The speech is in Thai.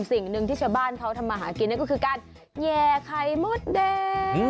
สิ่งหนึ่งที่ชาวบ้านเขาทำมาหากินนั่นก็คือการแย่ไข่มดแดง